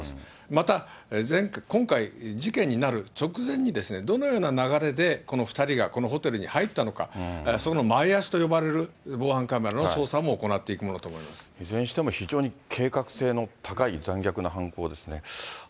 また、今回、事件になる直前に、どのような流れでこの２人がこのホテルに入ったのか、その前あしと呼ばれる防犯カメラの捜査も行っていくものと思いまいずれにしても非常に計画性の高い残虐な犯行ですね。